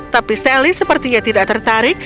tapi sally sepertinya tidak tertarik